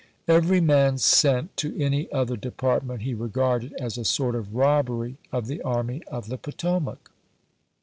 liivery man sent to any other de p. ui. partment he regarded as a sort of robbery of the Army of the Potomac.